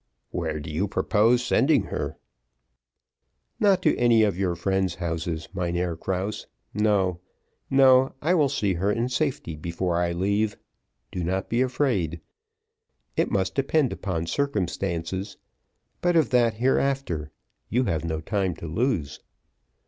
"Where do you propose sending her?" "Not to any of your friends' houses, Mynheer Krause, no no, but I'll see her in safety before I leave, do not be afraid; it must depend upon circumstances, but of that hereafter, you have no time to lose."